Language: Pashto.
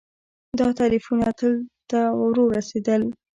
دا تعریفونه تل ته ورورسېدل